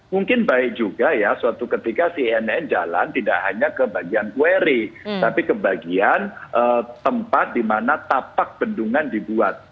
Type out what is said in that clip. mungkin baik juga ya suatu ketika cnn jalan tidak hanya ke bagian query tapi ke bagian tempat di mana tapak bendungan dibuat